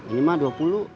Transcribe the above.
ini mah dua puluh